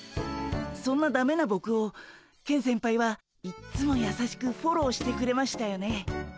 そんなダメなボクをケン先輩はいっつもやさしくフォローしてくれましたよね。